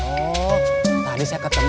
oh tadi saya ketemu